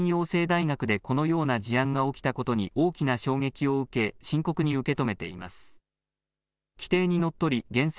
福岡教育大学は、教員養成大学でこのような事案が起きたことに大きな衝撃を受け、深刻に受け止めています。